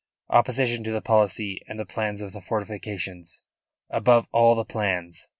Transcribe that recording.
Opposition to the policy, and the plans of the fortifications above all the plans."